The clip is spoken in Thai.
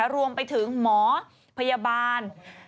รวมไปถึงหมอพยาบาล